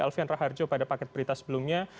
alfian raharjo pada paket berita sebelumnya